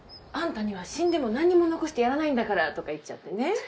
「あんたには死んでも何にも残してやらないんだから」とか言っちゃってね。